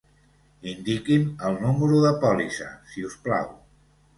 Indiqui'm el número de pòlissa, si us plau.